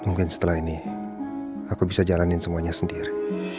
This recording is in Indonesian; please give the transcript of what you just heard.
mungkin setelah ini aku bisa jalanin semuanya sendiri